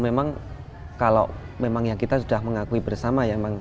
memang kalau memang yang kita sudah mengakui bersama ya